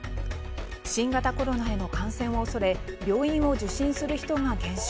新型コロナへの感染を恐れ病院を受診する人が減少。